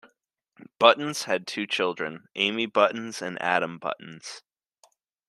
Buttons had two children, Amy Buttons and Adam Buttons.